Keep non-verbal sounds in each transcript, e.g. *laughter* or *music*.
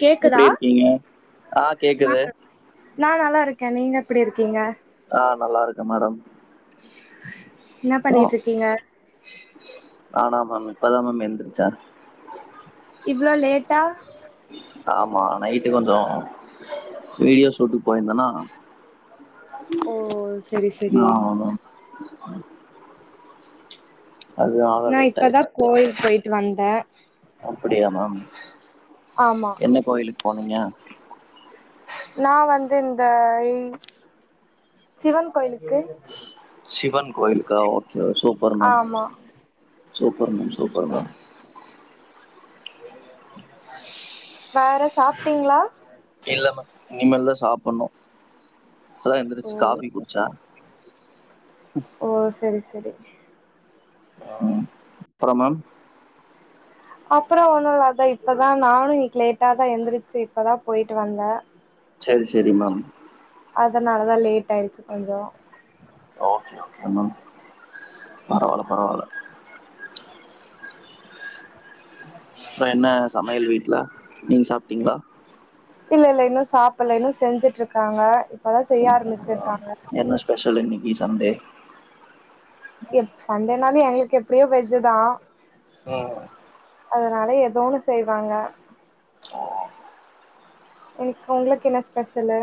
கேக்குதா எப்டி இருக்கீங்க ஆ கேக்குது நா நல்லா இருக்கே நீங்க எப்டி இருக்கீங்க ஆ நல்லா இருக்கே மேடம் ஓ இல்ல தானா மேம் இப்பதா மேம் எந்திரிச்சே இவ்வளோ லேட்டா ஆமா நைட்டு கொஞ்சோ வீடியோஸ் ஷூட்டுக்கு போயிருந்தேன்னா ஓ சேரி சேரி ஆ மேம் அதுனால நா லேட் இப்போ தா கோயிலுக்கு போயிட்டு வந்தே அப்படியா மேம் ஆமா என்ன கோயிலுக்கு போனீங்க நான் வந்து இந்த இ சிவன் கோயிலுக்கு சிவன் கோயில்க்கு ஓகே சூப்பர் மேம் ஆமா சூப்பர் மேம் சூப்பர் மேம் வேற சாப்புட்டீங்களா இல்ல மே இனிமேல்தா சாப்புணு இப்பதா ஓ எந்தருச்சு காபி குடிச்சே சேரி ம் அப்றம் மேம் அப்புற ஒண்ணு இத இப்பதா நானு இன்னைக்கு லேட்டா தா எழுந்திரிச்சு இப்பதா போயிட்டு வந்தே சேரி சேரி மேம் அதனாலதா லேட் ஆயிடுச்சு கொஞ்சோ ஒகே ஒகே மேம் பரவல பரவல அப்ற என்ன சமையல் வீட்டுல நீங்க சாப்பிட்டீங்களா இல்ல இல்ல இன்னு சாப்பல இன்னு செஞ்சுட்டு இருக்காங்க இப்பதா செய்ய ஆரம்பிச்சுருக்க ஆரம்பிச்சிருக்காங்க பெஷல் இன்னிக்கி சண்டே எப்ஸ் சண்டேனால எங்களுக்கு எப்படியோ வெஜ்ஜு தா ம் அதனால ஏதோ ஒன்னு செய்வாங்க இனைக்கு உங்களுக்கு என்ன ஸ்பெஷலு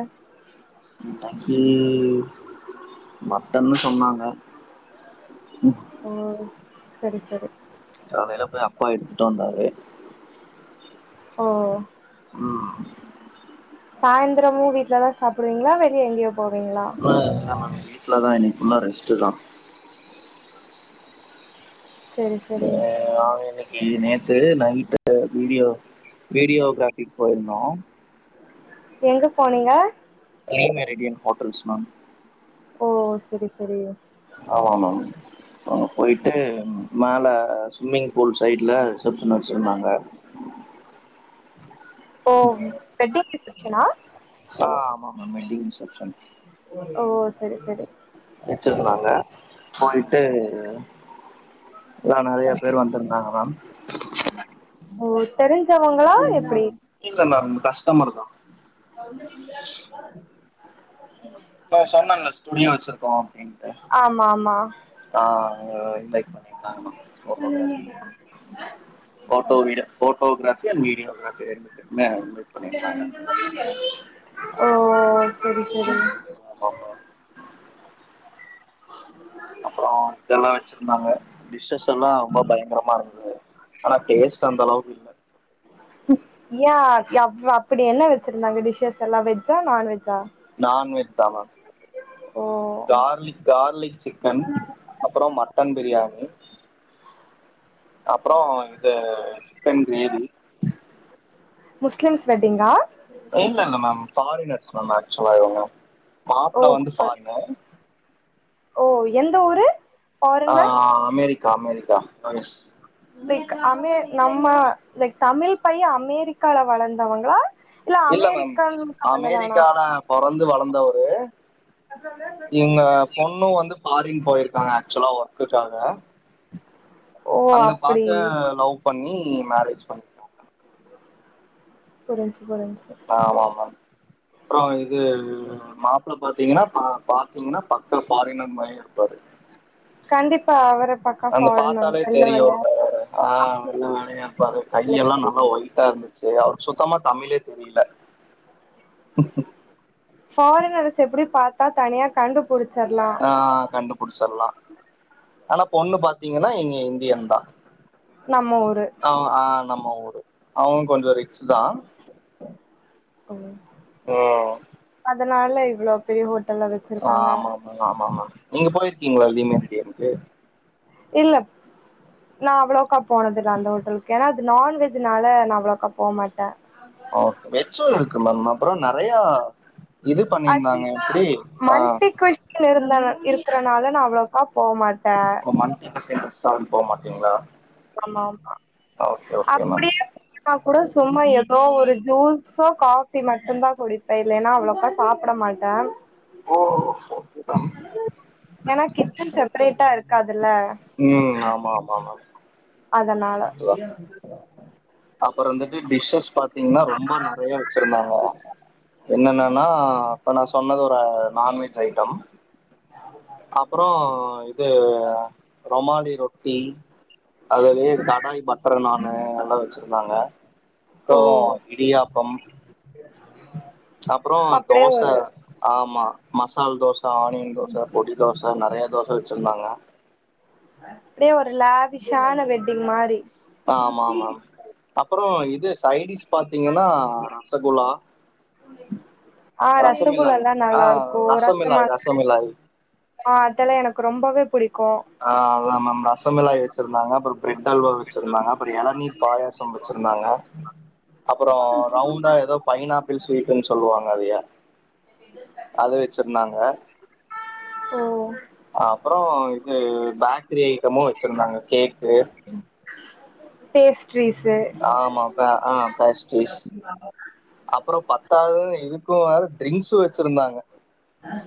இன்னைகு மட்டன்னு சொன்னாங்க ஓ சேரி சேரி கலேல போய் அப்பா எடுத்துட்டு வந்தாரு ஓ ம் சாயந்திரமு வீட்ல்லாதா சாப்பிடுவீங்களா வெளியே எங்கேயோ போவீங்களா ம் ஆமம் வீட்டி தா இன்னைக்குபுல்லா ரெஸ்ட்டுதா சரி சரி அஹ நங்க இன்னைக்கு இது நேத்து நைட்டு வீடியோ வீடியோகிராபி போயிருந்தோ எங்க போனீங்க *unintelligible* ரேடியன்ஸ் ஹோட்டல்ஸ் மேம் ஓ செரி செரி ஆமா மேம் ஆ அவுங் போயிட்டு மேல ஸ்விம்மிங் பூல் சைட்ல ரிசப்ஷன் வச்சிருந்தாங்க ஓ வெட்டிங் ரிசப்ஷனா ஆ ஆமா மேம் வேட்டிங் ரிசபெக்ஷன் ஓ செரி செரி வச்சிருந்தாங்க போயிட்டு எலா நெறய பேர் வந்திருந்தாங்க மேம் ஓ தெரிஞ்சவங்களா ம் எப்டி இல்ல நம் கஸ்டம தா *unintelligible* இப்ப சொன்னல்ல ஸ்டுடியோ வச்சிருக்கோ அப்டின்ட்டு ஆமாமா ஆ அதுல இன்வைட் பண்ணிருந்தாங்மா photography photo video photography and videography ரெண்டுமே ஓ செரி செரி ம் ஆமா அப்றோ இதெல்லா வெச்சிருந்தாங்க டிஷ்ஸெல்லா ரொம்ப பயங்கரமாருந்தது ஆனா டேஸ்ட் அந்தளவுக்கு இல்ல யா ஏ அப்டி என்ன வெச்சிருந்தாங்க டிஷஸெல்லா வெஜ்ஜா நான்வெஜ்ஜா நான்வெஜ் தா மேம் ஓ கார்லிக் கார்லிக் சிக்கன் அப்றோ மட்டன் பிரியாணி அப்றோ இது சிக்கன் கிரேவி முஸ்லிம்ஸ் வெட்டிங்கா இல்லல்ல மேம் பாரினர்ஸ் மேம் ஆக்சுவலா இவங்க ஓ மாப்பிளா வந்து பாரினர் ஓ எந்த ஊரு ஆ ஃபாரின்ல America America U S like அமெ நம்ம லைக் தமிழ் பையே அமெரிக்கால வளந்தவங்களா இல்ல மேம் அமெரிக்கன் பசங்க தானா அமெரிக்கால பொறந்து வளந்தவரு இவுங்க பொண்ணு வந்து ஃபாரின் போயிருக்காங்க ஆக்சுவலா ஒர்க்குக்காக ஓ அங்க அப்டி பாத்து லவ் பண்ணி மேரேஜ் பண் புரிஞ்சு புரிஞ்சு ஆமாமா அப்றோ இது மாப்ள பாத்தீங்கன்னா பா பாத்தீங்கன்னா பாக் க ஃபாரினர் மாரி இருப்பாரு கண்டிப்பா அவர பக்கா அந்த ஃபாரினர் பாத்தாலே வெள்ள தெரியும் வெள்ளையா ஆ வெள்ள மாரிதா இருப்பாரு கையெல்லா நல்லா ஒயிட்டா இருந்தது சேரி அவருக்கு சுத்தமா தமிழே தெரில ஃபாரினரஸெ எப்டி பாத்தா தனியா கண்டு புடிச்சர்லா ஆ கண்டுபுடிச்சிரலா ஆனா பொண்ணு பாத்தீங்கன்னா இங்க இந்தியன் தா நம்ம ஊரு அ ஆ நம்ம ஊரு அவங்களு கொஞ்சோ ரிச்சு தா ஓ அதனால இவ்ளோ பெரிய ஹோட்டல்ல வச்சிருக்காங்க ஆமாமா நீங்க போயிருக்கீங்களா லீ மெரிடியன்க்கு இல்ல நா அவ்ளோக்கா போனதில்ல அந்த ஹோட்டல்க்கு ஏன்னா அது நான்வெஜ்னால நா அவ்ளோக்கா போ மாட்ட ஆ வெஜ்ஜு இருக்கு மேம் அப்றோ நறையா இது பண்ணிந்தாங்க ஆக்சுவலி எப்டி ஆ மல்டி *unintelligible* இருந்த இருக்கறனால நா அவ்ளோக்கா போ மாட்ட இப்போ மன்த்லி *unintelligible* ரெஸ்டாரன்ட் போமாட்டீங்களா ஆமா ஆமா மேம் அப்டியே போனா கூட சும்மா ஏதோ ஒரு ஜூஸோ காஃபி மட்டு தா குடிப்பே இல்லேன்னா அவ்ளோக்கா சா சாப்டமாட்டே ஓ *unintelligible* ஏன்னா கிச்சன் செப்பரேட்டா இருக்காதுல்ல ம் ஆமாமா ஆமா அதனால அப்புறம் வந்துட்டு டிஷ்ஷஸ் பாத்தீங்கன்னா ரொம்ப நெறைய வச்சிருந்தாங்க என்னன்னன்னா இப்ப நா சொன்னது ஒரு நான்வெஜ் ஐட்டம் அப்புறம் இது ரொமாலி ரொட்டி அதுலயே கடாய் பட்டரு நான்னு எல்லாம் வச்சிருந்தாங்க ஓ அப்புறம் இடியாப்பம் அப்புறம் அப்படியே தோச ஒரு ஆமா மசால் தோச ஆனியன் தோச பொடி தோச நெறைய தோச வச்சிருந்தாங்க அப்டியே ஒரு லாவிஷான வெட்டிங் மாரி ஆமா ஆமா ஆமா அப்புறம் இது சைடிஸ் பாத்தீங்கன்னா ரசகுலா ஆ ரசகுலால்லா நல்லா இருக்கும் ரசமா ரசமிலாய் ரசமிலாய் ஆ அதெல்லாம் எனக்கு ரொம்பவே புடிக்கும் ஆ அதான் மேம் ரசமலாய் வச்சிருந்தாங்க அப்புறம் பிரெட் அல்வா வச்சிருந்தாங்க அப்புறம் எளநீர் பாயாசம் வச்சிருந்தாங்க அப்புறம் ரவுண்டா ஏதோ பைனாப்பிள் ஸ்வீட்டுன் சொல்லுவாங்க அதைய அது வச்சிருந்தாங்க ஓ அப்புறம் இது பேக்கரி ஐட்டமும் வச்சிருந்தாங்க கேக்கு பேஸ்ட்ரிஸ்ஸு அ ஆ பேஸ்ட்ரீஸ் அப்புறம் பத்தாவது இதுக்கும் வேற ட்ரிங்க்ஸும் வச்சிருந்தாங்க ஆ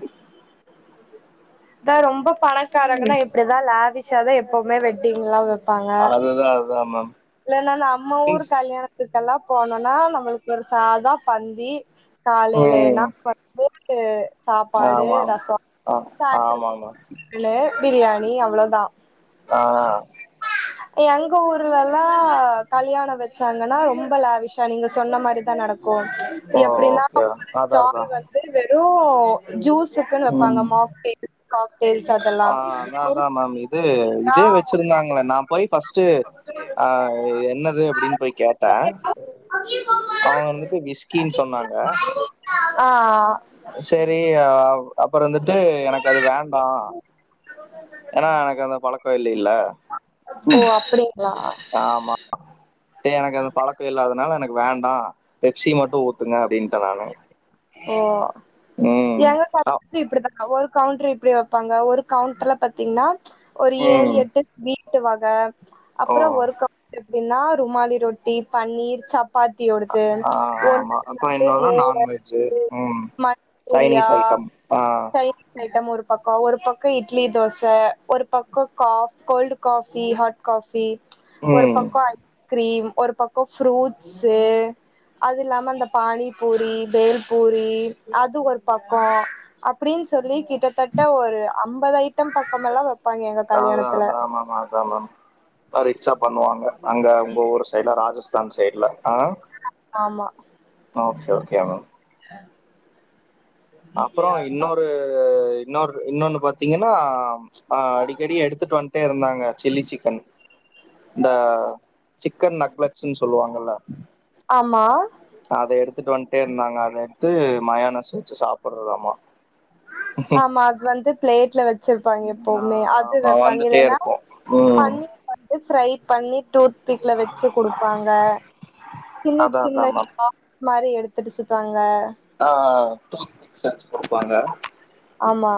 அதான் ரொம்ப பணக்காரங்கன்னா இப்படிதான் லாவிஷாதான் எப்பவுமே வெட்டிங்லாம் வப் அதுதான் அதுதான் மேம் இல்லன்னா நம்ம ஊர் ட்ரிங்க்ஸ் கல்யாணத்துக்கெல்லாம் போனோனா நம்மளுக்கு ஒரு சாதம் பந்தி காலையிலனா ம் பத் *unintelligible* சாப்பாடு ஆமா ரசம் ஆ காய்கறி ஆமா மேம் இல்ல பிரியாணி அவ்வளோதான் ஆ ஆ எங்க ஊர்லல்லா ளா கல்யாணம் வச்சாங்கன்னா ரொம்ப லாவிஷா நீங்க சொன்ன மாதிரிதான் நடக்கும் அது ஓ எப்படின்னா ஓகே அதா ஸ்டால் அதா வந்து வெறும் ஜூஸ்ஸுக்குன்னு வப்பாங்க ம் மாக்கேட் ஆ அதான் அதான் மேம் இது இதே வச்சிருந்தாங்கள நா போய் ஃபர்ஸ்ட்டு அ என்னது அப்படின் போய் கேட்ட அவுங்க வந்துட்டு விஸ்கினு சொன்னாங்க ஆ ஆ செரி அ அப்புறம் வந்துட்டு எனக்கு அது வேண்டாம் ஏன்னா எனக்கு அந்த பழக்கம் இல்லைல்ல ஓ அப்டிங்களா ஆமா எனக்கு அந்த பழக்கம் இல்லாதனால எனக்கு வேண்டாம் பெப்சி மட்டும் ஊத்துங்க அப்டின்ட்ட நானு ஓ ம் எங்க அ பாத் இப்படிதா ஒரு கவுண்டரு இப்படி வைப்பாங்க ஒரு கவுண்டர்ல பாத்தீங்கன்னா ஒரு ஏழு ம் எட்டு வீட்டு வக ஓ அப்புறம் ஒரு கவுன்ட்ரு எப்படின்னா ருமாலி ரொட்டி பன்னீர் சப் பாத்தியோடுது ஆ ஆ ஆமா அப்புறம் என்னது நான்வெஜ்ஜு ம் சைனீஸ் மஞ்சூரியா ஐட்டம் ஆ *unintelligible* ஒரு பக்கோ ஒரு பக்கோ இட்லி தோச ஒரு பக்கோ கா கோல்டுக் காஃபி ஹாட் காஃபி ஒரு ம் பக்கோ ஐ கிரீம் ஒரு பக்கோ ஃப்ரூட்ஸு அது இல்லாம இந்த பானிபூரி பேல் பூரி அது ஒரு பக்கோ அப்டின் சொல்லி கிட்டதட்ட ஒரு ஐம்பது ஐட்டம் பக்கமெல்லா வெப் தா அதா அத் ஆமாமா அதா மேம் அ ரிச்சா பண்ணுவாங்க அங்க உங்க ஊரு சைட்ல ராஜஸ்தான் சைட்ல ஆ ஆமா ஓகே ஓகே மேம் அப்றோ இன்னோரு இன்னோரு இன்னோனு பாத்தீங்கனா அ அடிக்கடி எடுத்துட்டு வன்ட்டே இருந்தாங்க சில்லி சிக்கன் இந்த சிக்கன் நக்லட்ஸுன் சொல்லுவாங்கல்ல ஆமா அத எடுத்துட்டு வன்ட்டே இர்ந்தாங்க அத எடுத்து மயோனஸ் வெச்சு சாப்பட்றதாமா ஆமா அது வந்து பிளேட்ல வெச்சிருப்பாங்க எப்பவுமே அது ஆமா வெப்பாங்க வந்துட்டே இல்லேனா இருக்கும் ம் பன்னிர் வந்து ஃரைப் பண்ணி டூத் பிக்ல வெச்சு குடுப் பாங்க சின்ன அதான் சின்ன அதான் மேம் *unintelligible* மாரி எடுத்துட்டு சுத்துவாங்க ஆ ஆ டூத் பிக்ஸ் சச்சு குடுப்பாங்க ஆமா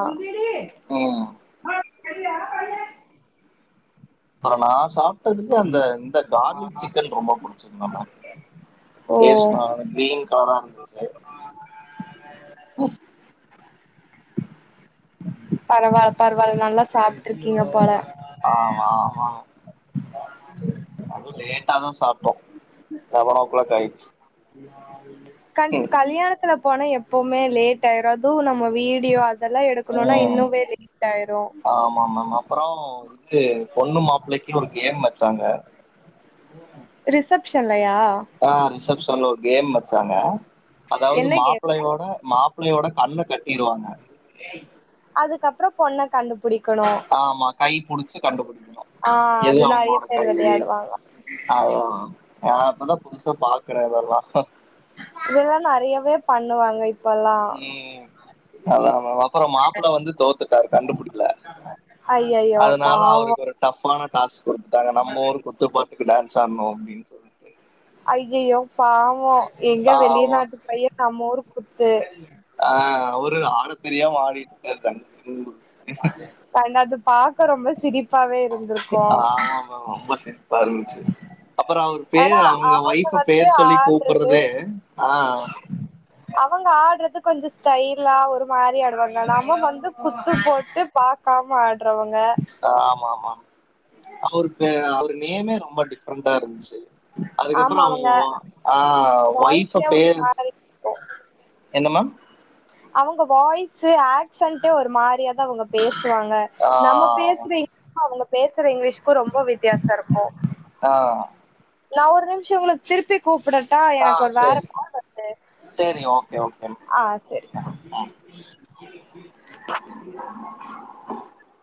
ம் *unintelligible* அட நா சாப்டதுக்கு அந்த இந்த கார்லிக் சிக்கன் ரொம்ப புடிச்சது நம்ம ஓ பேஸ்னா அந்த கிரீன் கலரா இருந் பரவால பரவால நல்லா சாப்ட்ருக்கீங்க போல ஆம ஆமா அதுவு லேட்டாதா சாப் டோ செவன் ஓக் கிளாக் ஆயிட்ச்சு கண்டிப் கல்யாணத்துல போனா எப்பவுமே லேட் டாயிரு அதுவு நம்ம வீடியோ அதெல்லா எடுக்ணுனா ம் இன்னுமே லேட்டாயிரு ஆமா ம ம மேம் அப்றோ இது பொண்ணு மாப்ளைக்கி ஒரு கேம் வெச்சாங்க ரிசப்ஷன்லயா ஆ ரிசப்ஷன்ல ஒரு கேம் வெச்சாங்க அதாவது என்ன கேம் மாப்ளயோட மாப் பிளையோட கண்ண கட்டிருவாங்க அதுக்கப்றோப் பொண்ண கண்டுப் புடிக்கணு ஆமா கை புடிச்சு கண்டுபிடிக்கிண ஆ எது அது நெறைய அவுங்ளோட பேர் கையி விளையாடுவாங்க அதா நா இப்பதாப் புதுசா பாக்கறே இதல்லா இதெல்லா நெறையவேப் பண்ணுவாங்க இப் ம் அத அத அப்பறம் மாப் புள வந்து தோத்துட்டாரு கண்டுபுடிக்ல ஐயையோ அதனால பாவோ அவுருக்கு ஒருட் டஃபான டாஸ்க் குடுத்துட்டாங்க நம்மூரு குத்துப்பாட்டுக்கு டான்ஸ் ஆன்னு அப்டின் சொல் ஐயய்யோ பாவொ எங்க வெளி ஆமா நாட்டுப் பையே நம்ம ஊருக் குத்து ஆ அவரு ஆடத் தெரியாம ஆடிட்ருக்காரு *unintelligible* அன்ன அதப் பாக்க ரொம்ப சிரிப்பாவே இருந் ஆமாமா ரொம்ப சிரிப்பா இருந்துச்சு அப்பறோ அவுரு பே ஏனா அவுங்க அவங்க ஒய்ஃப வந்து பேர் சொல்லிக் ஆடுறது கூப்பறதே ஆ அவுங்க ஆட்றது கொஞ்சொ ஸ்டைலா ஒரு மாரி ஆ டுவாங்க நாம வந்து குத்து போட்டு பாக்காம ஆட்றவங்க ஆமா ஆமா அவரு பே அவரு நேமே ரொம்ப டிஃப்ரெண்டா இருந்துச்சு அதுக்கப்பறோ ஆமா அவுங்க அவங்க ஆ ஒய்ஃப்பு வாய்ஸே ஒரு பேரு மாரி எங்கமேம் அவுங்க வாய்ஸு ஆக்சன்ட் ஒரு மாரியாத அவங்க பேசுவாங்க நம்ம ஆஹ் பேசுற இங்கிலீ அவுங்க பேசுற இங்கிலீஷ்க்கு ரொம்ப வித்தியாச இருக்கு ஆ நா ஒரு நிம்ஷோ உங்களுக் திருப்பி கூப்புடட்டா எனக்கு ஆஹ் ஒரு வேற சரி ப வர்து சரி ஓகே ஓகே ஆ செரி ஆ